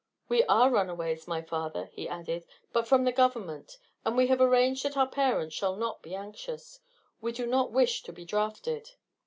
"We are runaways, my father," he added, "but from the government; and we have arranged that our parents shall not be anxious. We do not wish to be drafted."